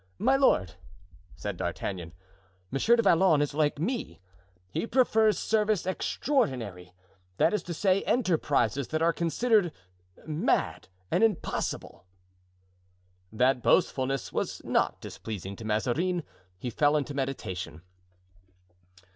"My lord," said D'Artagnan, "Monsieur de Vallon is like me, he prefers service extraordinary—that is to say, enterprises that are considered mad and impossible." That boastfulness was not displeasing to Mazarin; he fell into meditation.